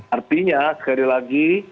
artinya sekali lagi